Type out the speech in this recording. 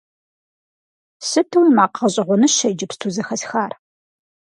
Сытуи макъ гъэщӀэгъуэныщэ иджыпсту зэхэсхар!